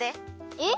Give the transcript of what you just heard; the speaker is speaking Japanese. え？